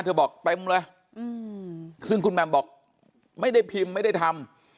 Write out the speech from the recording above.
บอกเต็มเลยซึ่งคุณแหม่มบอกไม่ได้พิมพ์ไม่ได้ทำ